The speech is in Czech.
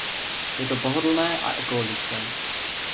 Je to pohodlné a ekologické.